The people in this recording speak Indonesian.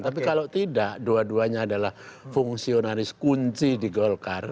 tapi kalau tidak dua duanya adalah fungsionaris kunci di golkar